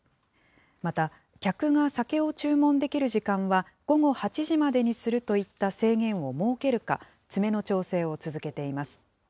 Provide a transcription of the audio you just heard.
また客が酒を注文できる時間は午後８時までにするといった制限を設けるか、詰めの調整を続けています。